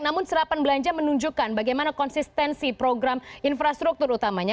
namun serapan belanja menunjukkan bagaimana konsistensi program infrastruktur utamanya